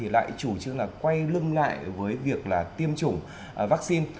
lại chủ trương quay lưng lại với việc tiêm chủng vaccine